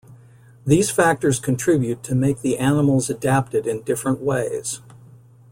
These factors contribute to make the animals adapted in different ways.